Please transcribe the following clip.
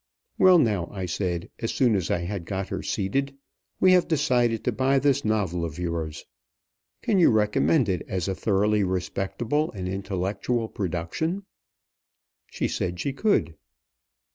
"Well, now," I said, as soon as I had got her seated, "we have decided to buy this novel of yours. Can you recommend it as a thoroughly respectable and intellectual production?" She said she could.